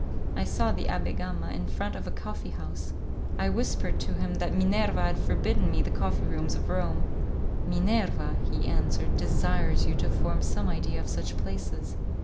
I saw the Abbé Gama in front of a coffee house. I whispered to him that Minerva had forbidden me the coffee rooms of Rome. "Minerva," he answered, "desires you to form some idea of such places.